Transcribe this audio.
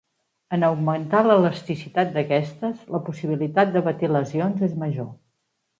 En augmentar l'elasticitat d'aquestes, la possibilitat de patir lesions és major.